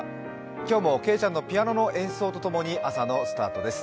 今日もけいちゃんのピアノの音とともに朝のスタートです。